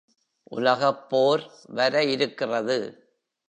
உலகப்போர் வர இருக்கிறது.